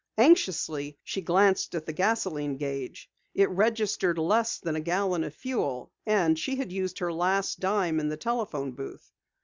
Anxiously, she glanced at the gasoline gauge. It registered less than a gallon of fuel and she had used her last dime in the telephone booth.